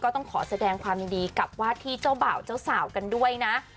ต้องขอแสดงความยินดีกับว่าที่เจ้าบ่าวเจ้าสาวกันด้วยนะ